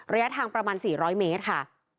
ระยะทางประมาณ๔๐๐เมตรค่ะ